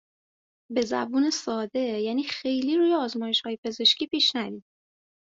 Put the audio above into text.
به زبون ساده یعنی خیلی روی آزمایشهای پزشکی پیش نرین.